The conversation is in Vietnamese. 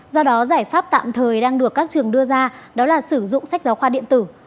do đó giải pháp tạm thời đang được các trường đưa ra đó là sử dụng sách giáo khoa điện tử